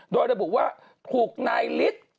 โดยระบุว่าถูกนายฤทธิ์